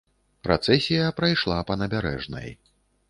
Працэсія прайшла па набярэжнай.